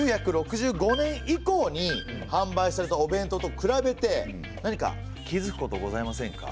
１９６５年以降にはんばいされたお弁当と比べて何か気付くことございませんか？